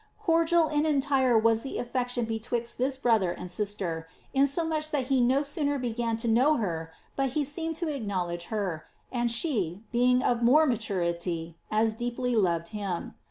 Cordial and entire was '.he affection betwixt this brother and sister, insomuch that he no sooner began to know her but he seemed to acknowledge her, and she, being of more maturity, as deeply loved him.